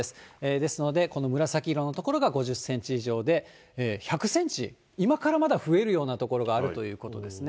ですので、この紫色の所が５０センチ以上で、１００センチ、今からまだ増えるような所があるということですね。